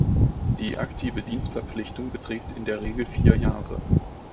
Die aktive Dienstverpflichtung beträgt in der Regel vier Jahre.